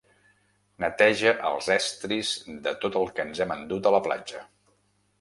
Neteja els estris de tot el que ens hem endut a la platja.